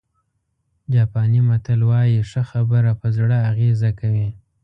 جاپاني متل وایي ښه خبره په زړه اغېزه کوي.